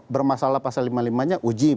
bermasalah pasal lima puluh lima nya uji